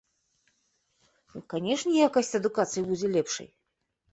Канешне, якасць адукацыі будзе лепшай.